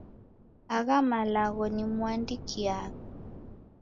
Agha malagho nimuandikiagha.